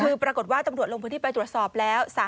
คือปรากฏว่าตำรวจลงพื้นที่ไปตรวจสอบแล้ว